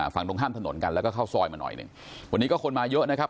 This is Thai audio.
ฝั่งตรงข้ามถนนกันแล้วก็เข้าซอยมาหน่อยหนึ่งวันนี้ก็คนมาเยอะนะครับ